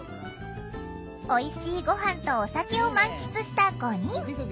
おいしいご飯とお酒を満喫した５人。